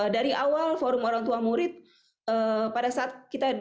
dari awal forum orang tua murid pada saat kita